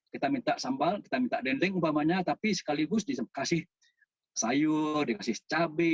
kita minta sambal kita minta dendeng umpamanya tapi sekaligus dikasih sayur dikasih cabai